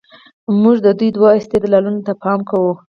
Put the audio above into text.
موږ دې دوو استدلالونو ته پام کوو.